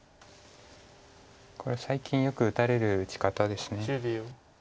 これ最近よく打たれる打ち方です。